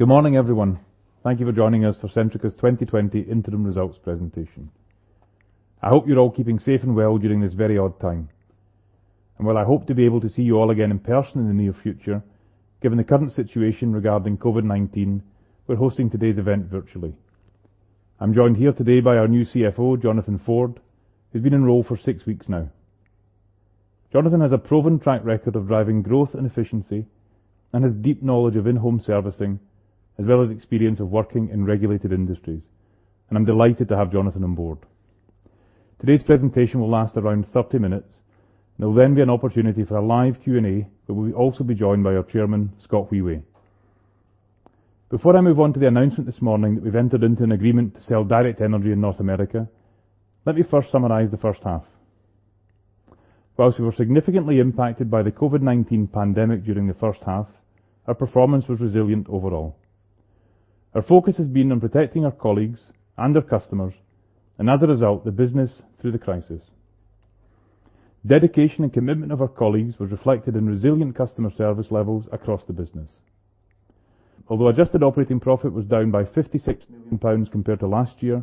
Good morning, everyone. Thank you for joining us for Centrica's 2020 interim results presentation. I hope you're all keeping safe and well during this very odd time. While I hope to be able to see you all again in person in the near future, given the current situation regarding COVID-19, we're hosting today's event virtually. I'm joined here today by our new CFO, Johnathan Ford, who's been in role for six weeks now. Johnathan has a proven track record of driving growth and efficiency and has deep knowledge of in-home servicing, as well as experience of working in regulated industries, and I'm delighted to have Johnathan on board. Today's presentation will last around 30 minutes, and there'll then be an opportunity for a live Q&A, where we will also be joined by our Chairman, Scott Wheway. Before I move on to the announcement this morning that we've entered into an agreement to sell Direct Energy in North America, let me first summarize the first half. We were significantly impacted by the COVID-19 pandemic during the first half, our performance was resilient overall. Our focus has been on protecting our colleagues and our customers, and as a result, the business through the crisis. Dedication and commitment of our colleagues was reflected in resilient customer service levels across the business. Although adjusted operating profit was down by 56 million pounds compared to last year,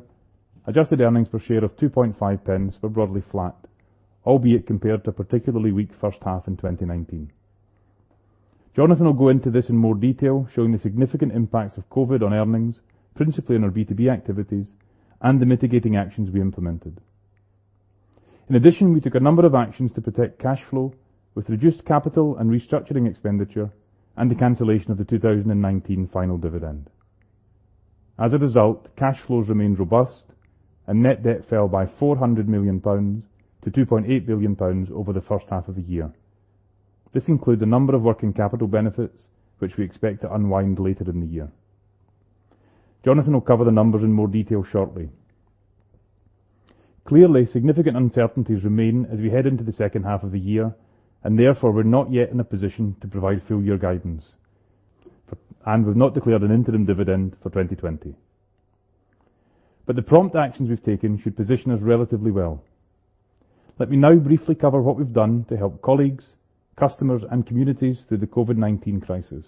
adjusted earnings per share of 0.025 were broadly flat, albeit compared to a particularly weak first half in 2019. Johnathan will go into this in more detail, showing the significant impacts of COVID on earnings, principally on our B2B activities, and the mitigating actions we implemented. In addition, we took a number of actions to protect cash flow, with reduced capital and restructuring expenditure and the cancellation of the 2019 final dividend. As a result, cash flows remained robust and net debt fell by 400 million pounds to 2.8 billion pounds over the first half of the year. This includes a number of working capital benefits, which we expect to unwind later in the year. Johnathan will cover the numbers in more detail shortly. Clearly, significant uncertainties remain as we head into the second half of the year, and therefore we're not yet in a position to provide full-year guidance. We've not declared an interim dividend for 2020. The prompt actions we've taken should position us relatively well. Let me now briefly cover what we've done to help colleagues, customers, and communities through the COVID-19 crisis.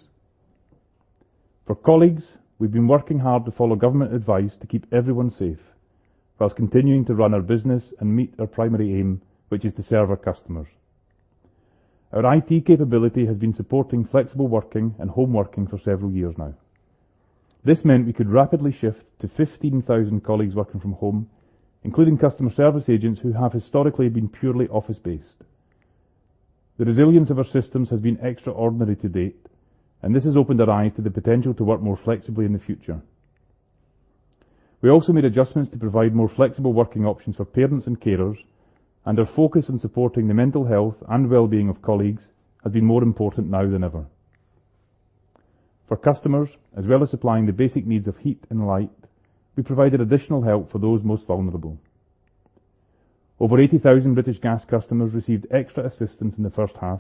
For colleagues, we've been working hard to follow government advice to keep everyone safe while continuing to run our business and meet our primary aim, which is to serve our customers. Our IT capability has been supporting flexible working and home working for several years now. This meant we could rapidly shift to 15,000 colleagues working from home, including customer service agents who have historically been purely office-based. The resilience of our systems has been extraordinary to date, and this has opened our eyes to the potential to work more flexibly in the future. We also made adjustments to provide more flexible working options for parents and carers, and our focus on supporting the mental health and wellbeing of colleagues has been more important now than ever. For customers, as well as supplying the basic needs of heat and light, we provided additional help for those most vulnerable. Over 80,000 British Gas customers received extra assistance in the first half,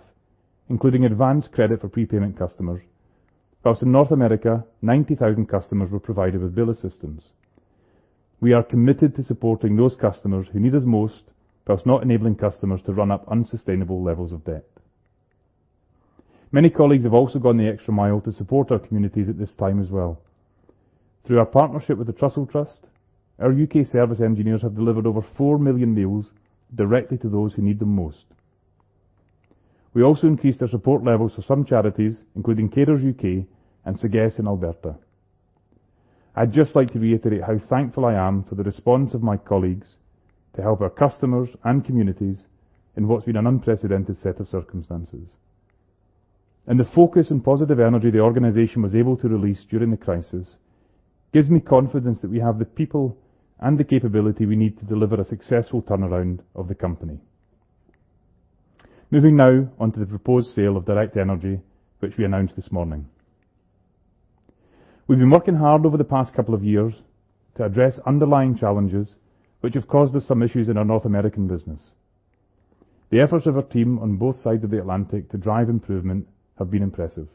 including advanced credit for prepayment customers. In North America, 90,000 customers were provided with bill assistance. We are committed to supporting those customers who need us most, whilst not enabling customers to run up unsustainable levels of debt. Many colleagues have also gone the extra mile to support our communities at this time as well. Through our partnership with The Trussell Trust, our U.K. service engineers have delivered over four million meals directly to those who need them most. We also increased our support levels for some charities, including Carers UK and Sagesse in Alberta. I'd just like to reiterate how thankful I am for the response of my colleagues to help our customers and communities in what's been an unprecedented set of circumstances. The focus and positive energy the organization was able to release during the crisis gives me confidence that we have the people and the capability we need to deliver a successful turnaround of the company. Moving now on to the proposed sale of Direct Energy, which we announced this morning. We've been working hard over the past couple of years to address underlying challenges which have caused us some issues in our North American business. The efforts of our team on both sides of the Atlantic to drive improvement have been impressive.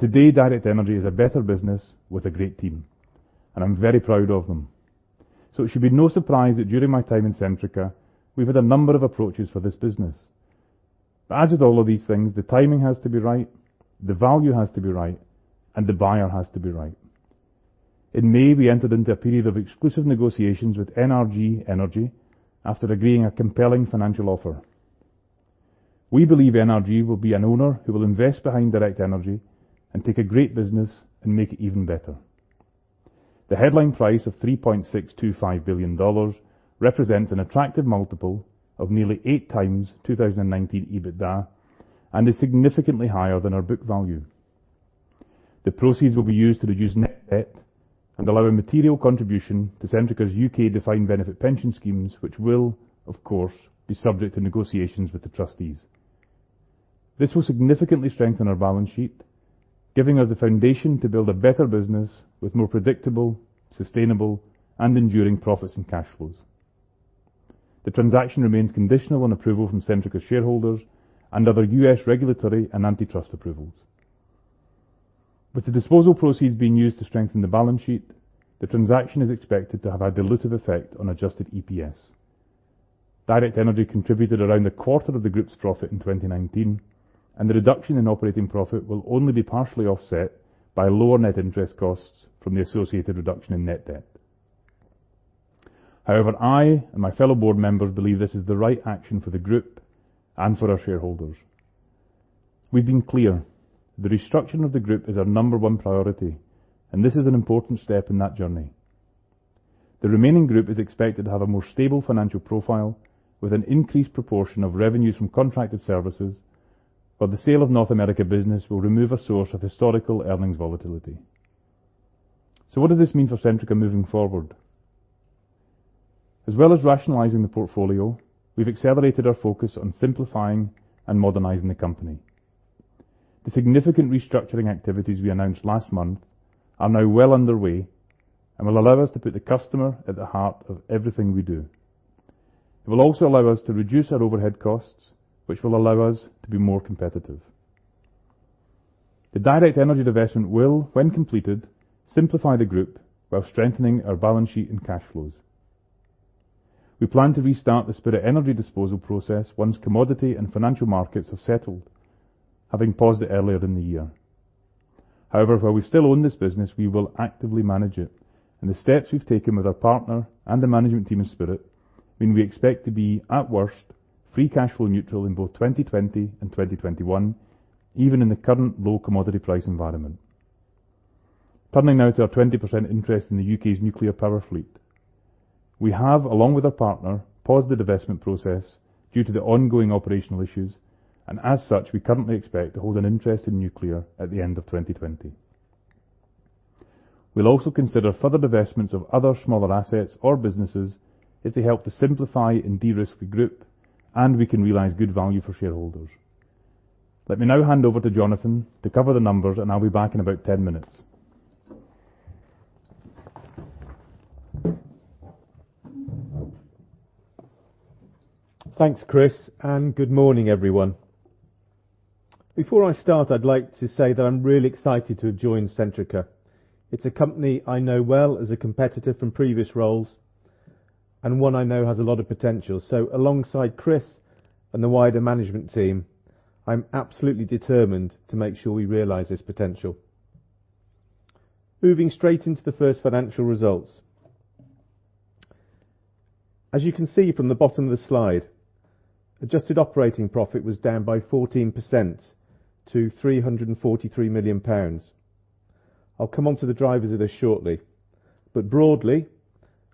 Today, Direct Energy is a better business with a great team, and I'm very proud of them. It should be no surprise that during my time in Centrica, we've had a number of approaches for this business. As with all of these things, the timing has to be right, the value has to be right, and the buyer has to be right. In May, we entered into a period of exclusive negotiations with NRG Energy after agreeing a compelling financial offer. We believe NRG will be an owner who will invest behind Direct Energy and take a great business and make it even better. The headline price of $3.625 billion represents an attractive multiple of nearly 8x 2019 EBITDA and is significantly higher than our book value. The proceeds will be used to reduce net debt and allow a material contribution to Centrica's U.K. defined benefit pension schemes, which will of course, be subject to negotiations with the trustees. This will significantly strengthen our balance sheet, giving us the foundation to build a better business with more predictable, sustainable, and enduring profits and cash flows. The transaction remains conditional on approval from Centrica shareholders and other U.S. regulatory and antitrust approvals. With the disposal proceeds being used to strengthen the balance sheet, the transaction is expected to have a dilutive effect on adjusted EPS. Direct Energy contributed around a quarter of the group's profit in 2019, and the reduction in operating profit will only be partially offset by lower net interest costs from the associated reduction in net debt. I and my fellow board members believe this is the right action for the group and for our shareholders. We've been clear, the restructuring of the group is our number one priority, and this is an important step in that journey. The remaining group is expected to have a more stable financial profile with an increased proportion of revenues from contracted services, while the sale of North America business will remove a source of historical earnings volatility. What does this mean for Centrica moving forward? As well as rationalizing the portfolio, we've accelerated our focus on simplifying and modernizing the company. The significant restructuring activities we announced last month are now well underway and will allow us to put the customer at the heart of everything we do. It will also allow us to reduce our overhead costs, which will allow us to be more competitive. The Direct Energy divestment will, when completed, simplify the group while strengthening our balance sheet and cash flows. We plan to restart the Spirit Energy disposal process once commodity and financial markets have settled, having paused it earlier in the year. However, while we still own this business, we will actively manage it, and the steps we've taken with our partner and the management team at Spirit mean we expect to be, at worst, free cash flow neutral in both 2020 and 2021, even in the current low commodity price environment. Turning now to our 20% interest in the U.K.'s nuclear power fleet. We have, along with our partner, paused the divestment process due to the ongoing operational issues, and as such, we currently expect to hold an interest in nuclear at the end of 2020. We'll also consider further divestments of other smaller assets or businesses if they help to simplify and de-risk the group, and we can realize good value for shareholders. Let me now hand over to Johnathan to cover the numbers, and I'll be back in about 10 minutes. Thanks, Chris. Good morning, everyone. Before I start, I'd like to say that I'm really excited to have joined Centrica. It's a company I know well as a competitor from previous roles and one I know has a lot of potential. Alongside Chris and the wider management team, I'm absolutely determined to make sure we realize this potential. Moving straight into the first financial results. As you can see from the bottom of the slide, adjusted operating profit was down by 14% to 343 million pounds. I'll come onto the drivers of this shortly. Broadly,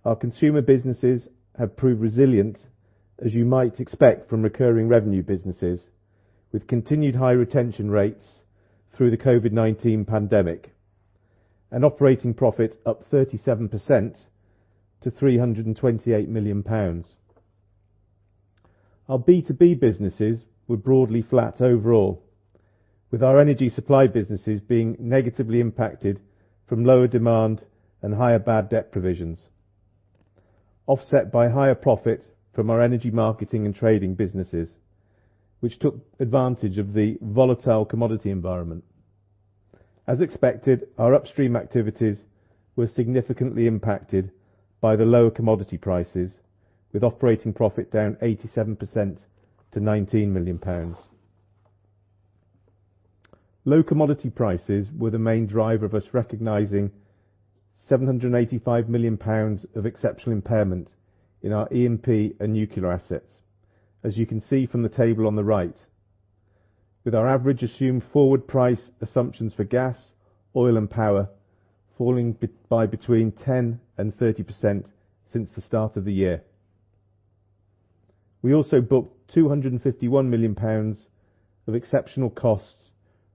our consumer businesses have proved resilient, as you might expect from recurring revenue businesses, with continued high retention rates through the COVID-19 pandemic, and operating profit up 37% to GBP 328 million. Our B2B businesses were broadly flat overall, with our energy supply businesses being negatively impacted from lower demand and higher bad debt provisions, offset by higher profit from our Energy Marketing & Trading businesses, which took advantage of the volatile commodity environment. As expected, our upstream activities were significantly impacted by the lower commodity prices, with operating profit down 87% to GBP 19 million. Low commodity prices were the main driver of us recognizing 785 million pounds of exceptional impairment in our E&P and nuclear assets. As you can see from the table on the right, with our average assumed forward price assumptions for gas, oil, and power falling by between 10% and 30% since the start of the year. We also booked 251 million pounds of exceptional costs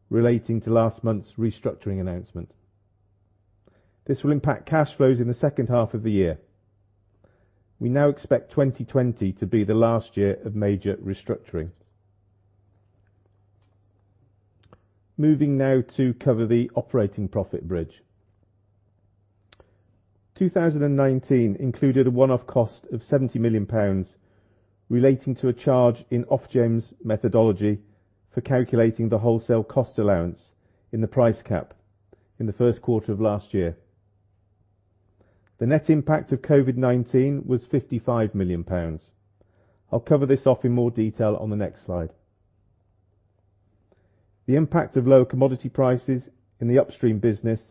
relating to last month's restructuring announcement. This will impact cash flows in the second half of the year. We now expect 2020 to be the last year of major restructuring. Moving now to cover the operating profit bridge. 2019 included a one-off cost of 70 million pounds relating to a charge in Ofgem's methodology for calculating the wholesale cost allowance in the price cap in the first quarter of last year. The net impact of COVID-19 was 55 million pounds. I'll cover this off in more detail on the next slide. The impact of lower commodity prices in the upstream business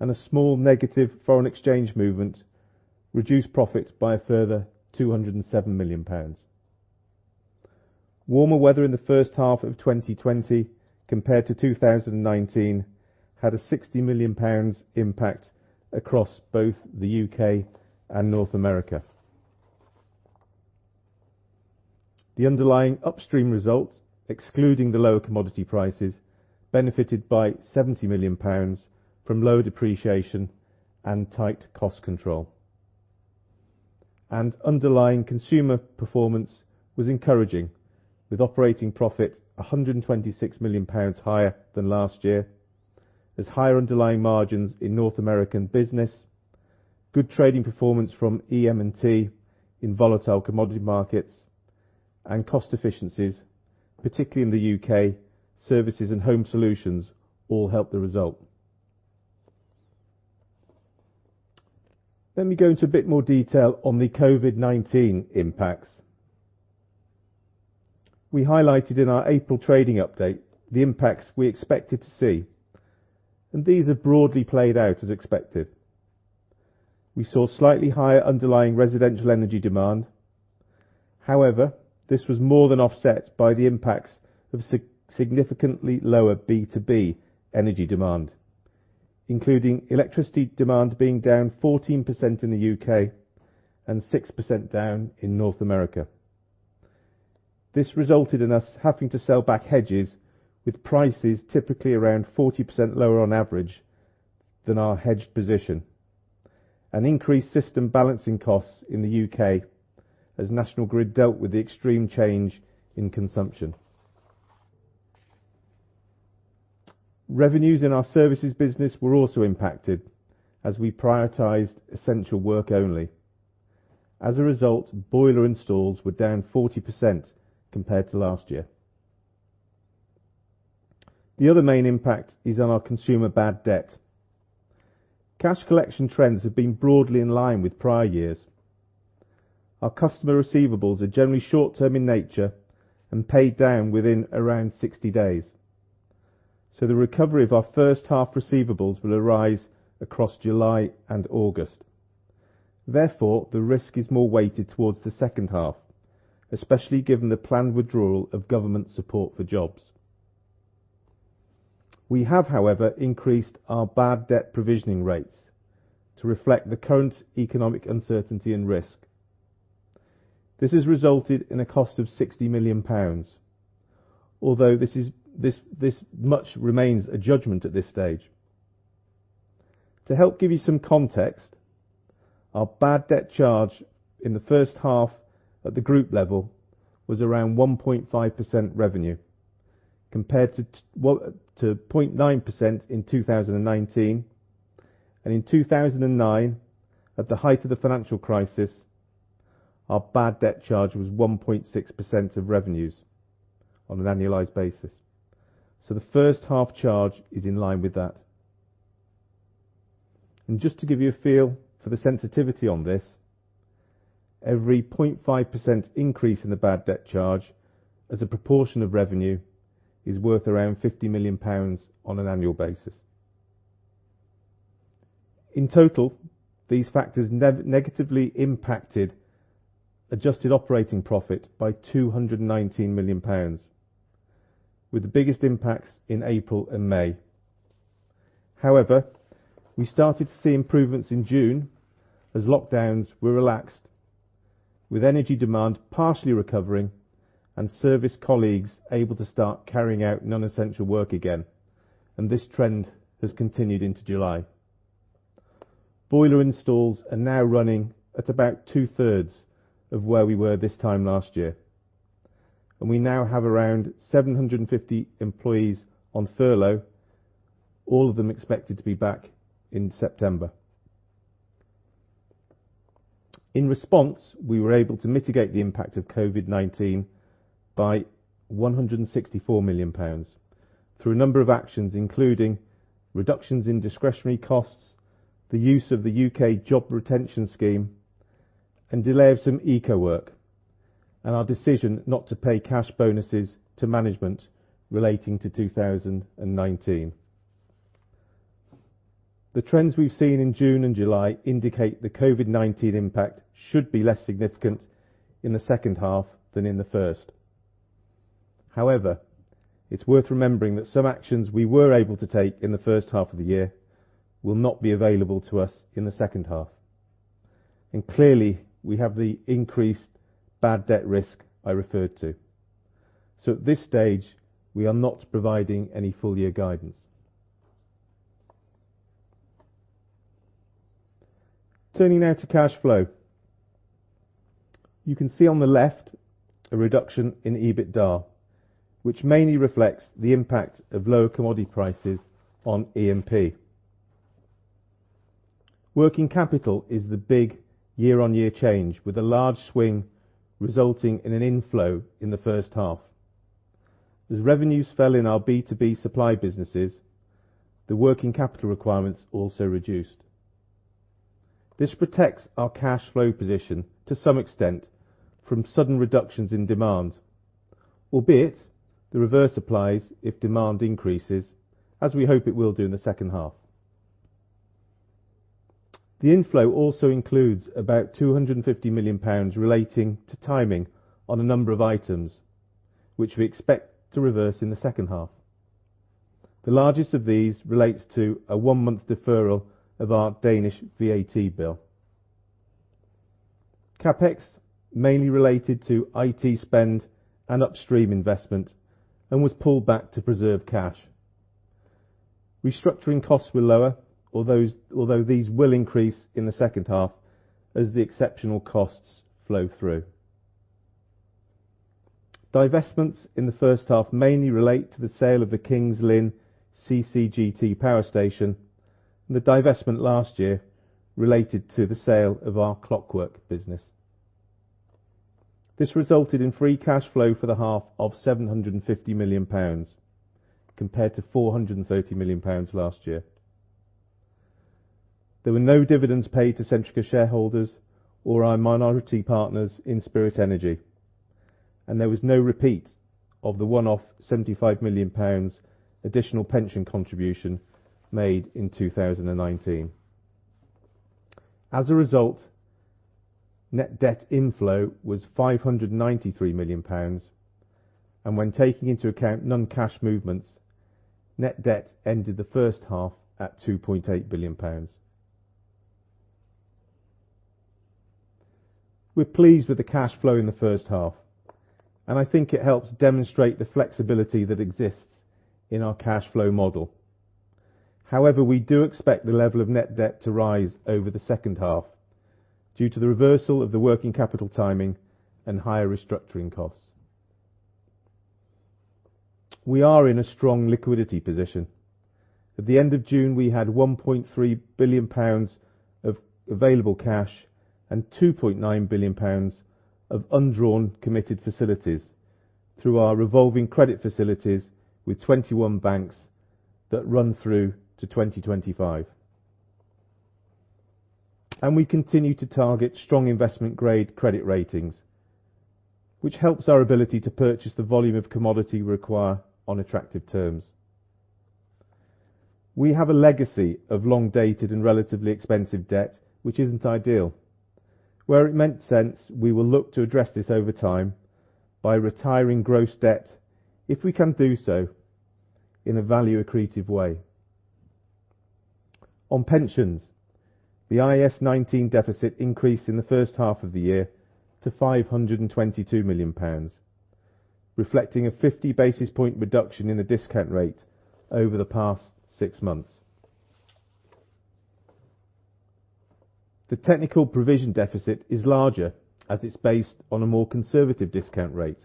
and a small negative foreign exchange movement reduced profit by a further 207 million pounds. Warmer weather in the first half of 2020 compared to 2019 had a 60 million pounds impact across both the U.K. and North America. The underlying upstream results, excluding the lower commodity prices, benefited by 70 million pounds from lower depreciation and tight cost control. Underlying consumer performance was encouraging, with operating profit 126 million pounds higher than last year, as higher underlying margins in North American business, good trading performance from EM&T in volatile commodity markets, and cost efficiencies, particularly in the U.K. services and home solutions, all helped the result. Let me go into a bit more detail on the COVID-19 impacts. We highlighted in our April trading update the impacts we expected to see, and these have broadly played out as expected. We saw slightly higher underlying residential energy demand. However, this was more than offset by the impacts of significantly lower B2B energy demand, including electricity demand being down 14% in the U.K. and 6% down in North America. This resulted in us having to sell back hedges, with prices typically around 40% lower on average than our hedged position. An increased system balancing costs in the U.K. as National Grid dealt with the extreme change in consumption. Revenues in our services business were also impacted as we prioritized essential work only. As a result, boiler installs were down 40% compared to last year. The other main impact is on our consumer bad debt. Cash collection trends have been broadly in line with prior years. Our customer receivables are generally short-term in nature and paid down within around 60 days. The recovery of our first half receivables will arise across July and August. Therefore, the risk is more weighted towards the second half, especially given the planned withdrawal of government support for jobs. We have, however, increased our bad debt provisioning rates to reflect the current economic uncertainty and risk. This has resulted in a cost of 60 million pounds. Although much remains a judgment at this stage. To help give you some context, our bad debt charge in the first half at the group level was around 1.5% revenue compared to 0.9% in 2019, and in 2009, at the height of the financial crisis, our bad debt charge was 1.6% of revenues on an annualized basis. The first half charge is in line with that. Just to give you a feel for the sensitivity on this, every 0.5% increase in the bad debt charge as a proportion of revenue is worth around 50 million pounds on an annual basis. In total, these factors negatively impacted adjusted operating profit by 219 million pounds, with the biggest impacts in April and May. However, we started to see improvements in June as lockdowns were relaxed, with energy demand partially recovering and service colleagues able to start carrying out non-essential work again, and this trend has continued into July. Boiler installs are now running at about two-thirds of where we were this time last year, and we now have around 750 employees on furlough, all of them expected to be back in September. In response, we were able to mitigate the impact of COVID-19 by 164 million pounds through a number of actions, including reductions in discretionary costs, the use of the U.K. Job Retention Scheme, and delay of some ECO work, and our decision not to pay cash bonuses to management relating to 2019. The trends we've seen in June and July indicate the COVID-19 impact should be less significant in the second half than in the first. It's worth remembering that some actions we were able to take in the first half of the year will not be available to us in the second half, and clearly, we have the increased bad debt risk I referred to. At this stage, we are not providing any full-year guidance. Turning now to cash flow. You can see on the left a reduction in EBITDA, which mainly reflects the impact of lower commodity prices on E&P. Working capital is the big year-on-year change, with a large swing resulting in an inflow in the first half. As revenues fell in our B2B supply businesses, the working capital requirements also reduced. This protects our cash flow position to some extent from sudden reductions in demand, albeit the reverse applies if demand increases, as we hope it will do in the second half. The inflow also includes about 250 million pounds relating to timing on a number of items, which we expect to reverse in the second half. The largest of these relates to a one-month deferral of our Danish VAT bill. CapEx mainly related to IT spend and upstream investment and was pulled back to preserve cash. Restructuring costs were lower, although these will increase in the second half as the exceptional costs flow through. Divestments in the first half mainly relate to the sale of the King's Lynn CCGT power station and the divestment last year related to the sale of our Clockwork business. This resulted in free cash flow for the half of 750 million pounds, compared to 430 million pounds last year. There were no dividends paid to Centrica shareholders or our minority partners in Spirit Energy, and there was no repeat of the one-off GBP 75 million additional pension contribution made in 2019. As a result, net debt inflow was 593 million pounds, and when taking into account non-cash movements, net debt ended the first half at 2.8 billion pounds. We're pleased with the cash flow in the first half, and I think it helps demonstrate the flexibility that exists in our cash flow model. However, we do expect the level of net debt to rise over the second half due to the reversal of the working capital timing and higher restructuring costs. We are in a strong liquidity position. At the end of June, we had 1.3 billion pounds of available cash and 2.9 billion pounds of undrawn committed facilities through our revolving credit facilities with 21 banks that run through to 2025. We continue to target strong investment-grade credit ratings, which helps our ability to purchase the volume of commodity required on attractive terms. We have a legacy of long-dated and relatively expensive debt, which isn't ideal. Where it makes sense, we will look to address this over time by retiring gross debt if we can do so in a value-accretive way. On pensions, the IAS 19 deficit increased in the first half of the year to 522 million pounds, reflecting a 50-basis point reduction in the discount rate over the past six months. The technical provision deficit is larger as it's based on a more conservative discount rate.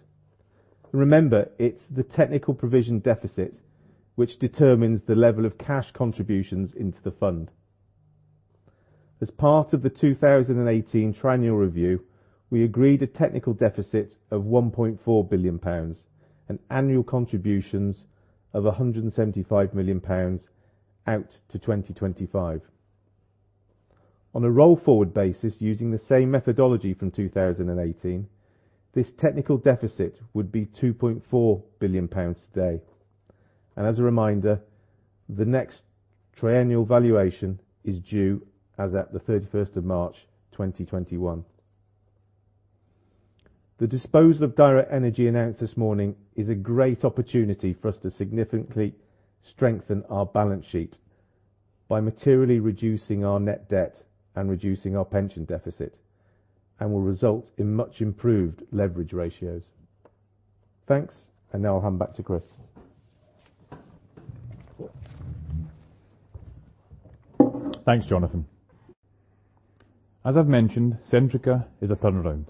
Remember, it's the technical provision deficit which determines the level of cash contributions into the fund. As part of the 2018 triennial review, we agreed a technical deficit of 1.4 billion pounds and annual contributions of 175 million pounds out to 2025. On a roll-forward basis using the same methodology from 2018, this technical deficit would be 2.4 billion pounds today. As a reminder, the next triennial valuation is due as at the 31st of March 2021. The disposal of Direct Energy announced this morning is a great opportunity for us to significantly strengthen our balance sheet by materially reducing our net debt and reducing our pension deficit, and will result in much improved leverage ratios. Thanks. Now I'll hand back to Chris. Thanks, Johnathan. As I've mentioned, Centrica is a turnaround.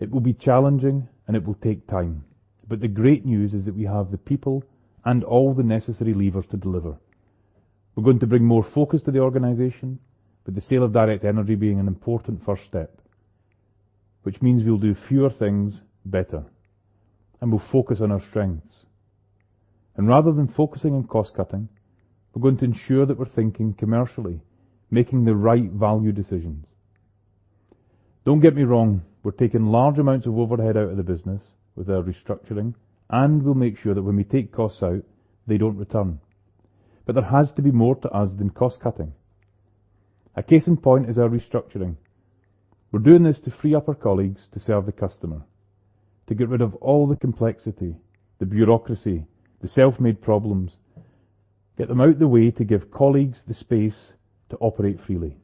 It will be challenging, and it will take time. The great news is that we have the people and all the necessary levers to deliver. We're going to bring more focus to the organization, with the sale of Direct Energy being an important first step, which means we'll do fewer things better, and we'll focus on our strengths. Rather than focusing on cost-cutting, we're going to ensure that we're thinking commercially, making the right value decisions. Don't get me wrong. We're taking large amounts of overhead out of the business with our restructuring, and we'll make sure that when we take costs out, they don't return. There has to be more to us than cost-cutting. A case in point is our restructuring. We're doing this to free up our colleagues to serve the customer, to get rid of all the complexity, the bureaucracy, the self-made problems, get them out the way to give colleagues the space to operate freely.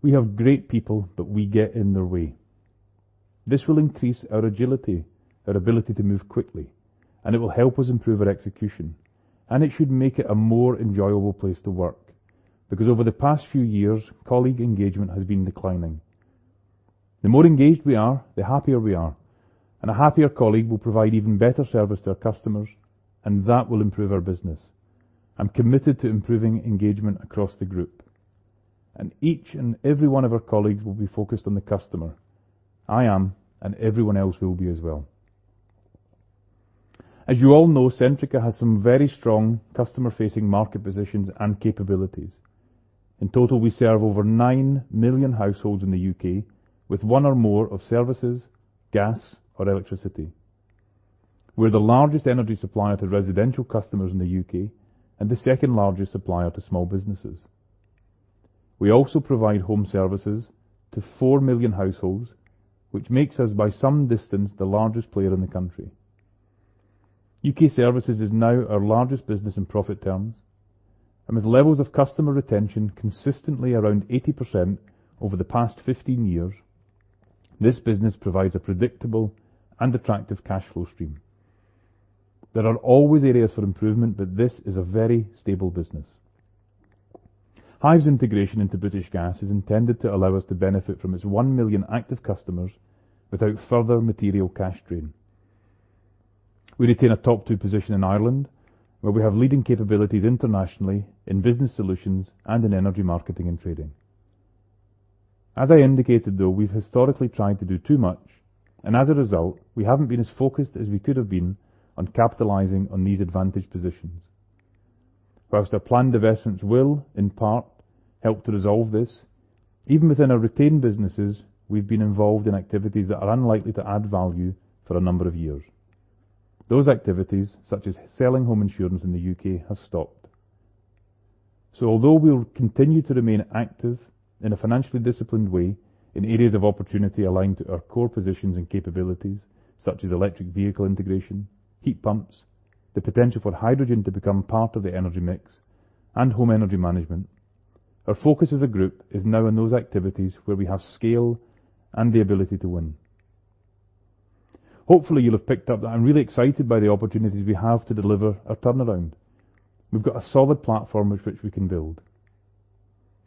We have great people, but we get in their way. This will increase our agility, our ability to move quickly, and it will help us improve our execution, and it should make it a more enjoyable place to work. Over the past few years, colleague engagement has been declining. The more engaged we are, the happier we are, and a happier colleague will provide even better service to our customers, and that will improve our business. I'm committed to improving engagement across the group. Each and every one of our colleagues will be focused on the customer. I am, and everyone else will be as well. As you all know, Centrica has some very strong customer-facing market positions and capabilities. In total, we serve over 9 million households in the U.K. with one or more of services, gas, or electricity. We're the largest energy supplier to residential customers in the U.K. and the second-largest supplier to small businesses. We also provide home services to 4 million households, which makes us, by some distance, the largest player in the country. U.K. services is now our largest business in profit terms, and with levels of customer retention consistently around 80% over the past 15 years, this business provides a predictable and attractive cash flow stream. There are always areas for improvement, but this is a very stable business. Hive's integration into British Gas is intended to allow us to benefit from its 1 million active customers without further material cash drain. We retain a top two position in Ireland, where we have leading capabilities internationally in business solutions and in Energy Marketing & Trading. As I indicated, though, we've historically tried to do too much, and as a result, we haven't been as focused as we could have been on capitalizing on these advantage positions. Whilst our planned divestments will, in part, help to resolve this, even within our retained businesses, we've been involved in activities that are unlikely to add value for a number of years. Those activities, such as selling home insurance in the U.K., have stopped. Although we'll continue to remain active in a financially disciplined way in areas of opportunity aligned to our core positions and capabilities such as electric vehicle integration, heat pumps, the potential for hydrogen to become part of the energy mix, and home energy management, our focus as a group is now on those activities where we have scale and the ability to win. Hopefully, you'll have picked up that I'm really excited by the opportunities we have to deliver our turnaround. We've got a solid platform with which we can build.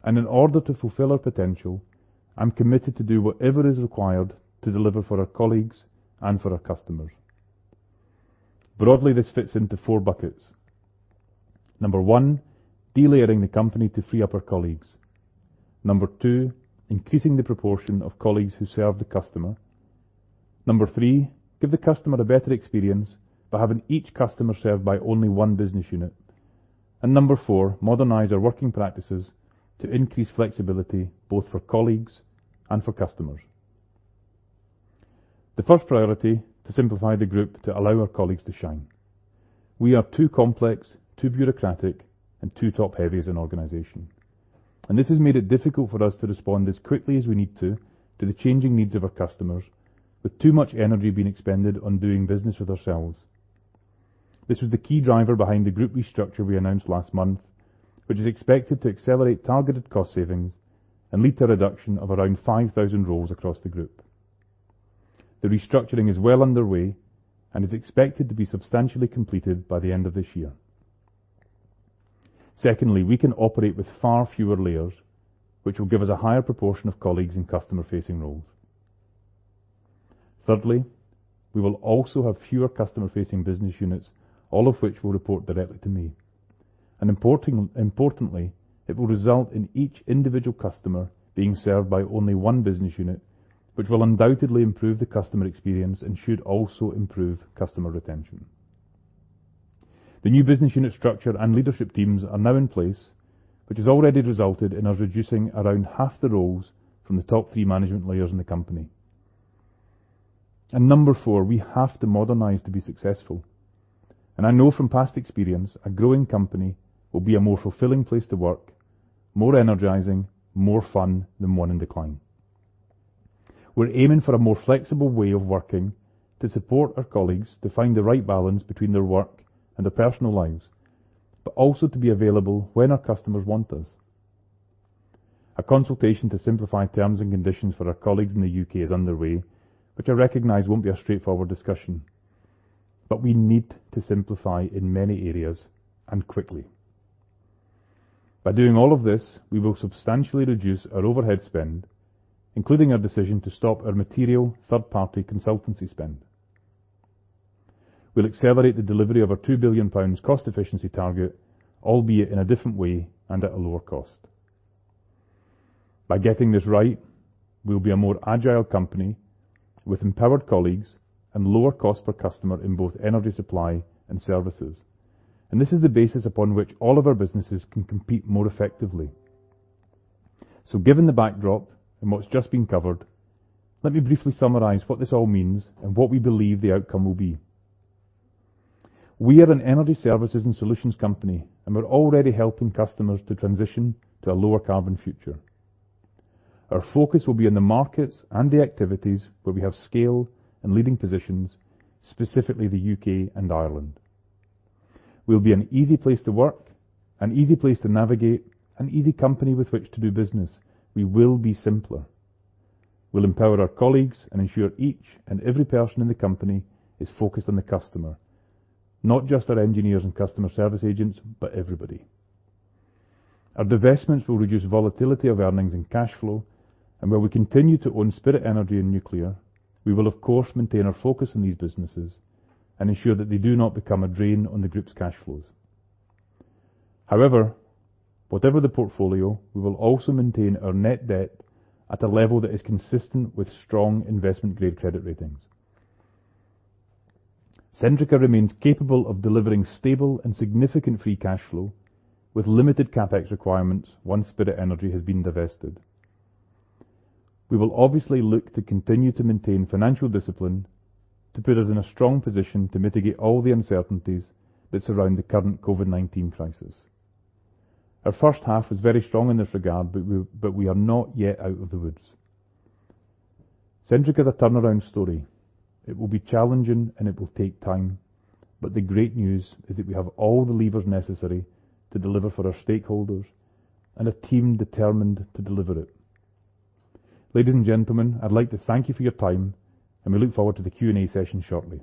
In order to fulfill our potential, I'm committed to do whatever is required to deliver for our colleagues and for our customers. Broadly, this fits into four buckets. Number one, delayering the company to free up our colleagues. Number two, increasing the proportion of colleagues who serve the customer. Number three, give the customer a better experience by having each customer served by only one business unit. Number four, modernize our working practices to increase flexibility both for colleagues and for customers. The first priority, to simplify the group to allow our colleagues to shine. We are too complex, too bureaucratic, and too top-heavy as an organization, and this has made it difficult for us to respond as quickly as we need to the changing needs of our customers, with too much energy being expended on doing business with ourselves. This was the key driver behind the group restructure we announced last month, which is expected to accelerate targeted cost savings and lead to a reduction of around 5,000 roles across the group. The restructuring is well underway and is expected to be substantially completed by the end of this year. Secondly, we can operate with far fewer layers, which will give us a higher proportion of colleagues in customer-facing roles. Thirdly, we will also have fewer customer-facing business units, all of which will report directly to me. Importantly, it will result in each individual customer being served by only one business unit, which will undoubtedly improve the customer experience and should also improve customer retention. The new business unit structure and leadership teams are now in place, which has already resulted in us reducing around half the roles from the top three management layers in the company. Number four, we have to modernize to be successful. I know from past experience, a growing company will be a more fulfilling place to work, more energizing, more fun than one in decline. We're aiming for a more flexible way of working to support our colleagues to find the right balance between their work and their personal lives, but also to be available when our customers want us. A consultation to simplify terms and conditions for our colleagues in the U.K. is underway, which I recognize won't be a straightforward discussion, but we need to simplify in many areas, and quickly. By doing all of this, we will substantially reduce our overhead spend, including our decision to stop our material third-party consultancy spend. We'll accelerate the delivery of our 2 billion pounds cost efficiency target, albeit in a different way and at a lower cost. By getting this right, we'll be a more agile company with empowered colleagues and lower cost per customer in both energy supply and services, and this is the basis upon which all of our businesses can compete more effectively. Given the backdrop and what's just been covered, let me briefly summarize what this all means and what we believe the outcome will be. We are an energy services and solutions company, and we're already helping customers to transition to a lower carbon future. Our focus will be on the markets and the activities where we have scale and leading positions, specifically the U.K. and Ireland. We'll be an easy place to work, an easy place to navigate, an easy company with which to do business. We will be simpler. We'll empower our colleagues and ensure each and every person in the company is focused on the customer. Not just our engineers and customer service agents, but everybody. Our divestments will reduce volatility of earnings and cash flow, and where we continue to own Spirit Energy and nuclear, we will, of course, maintain our focus on these businesses and ensure that they do not become a drain on the group's cash flows. However, whatever the portfolio, we will also maintain our net debt at a level that is consistent with strong investment-grade credit ratings. Centrica remains capable of delivering stable and significant free cash flow with limited CapEx requirements once Spirit Energy has been divested. We will obviously look to continue to maintain financial discipline to put us in a strong position to mitigate all the uncertainties that surround the current COVID-19 crisis. Our first half was very strong in this regard, but we are not yet out of the woods. Centrica is a turnaround story. It will be challenging, and it will take time, but the great news is that we have all the levers necessary to deliver for our stakeholders and a team determined to deliver it. Ladies and gentlemen, I'd like to thank you for your time, and we look forward to the Q&A session shortly.